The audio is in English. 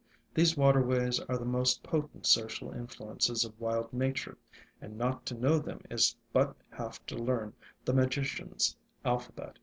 These waterways are the most potent social influences of wild nature, and not to know them is but half to learn the Magician's alphabet.